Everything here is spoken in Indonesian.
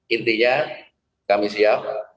intinya kami siap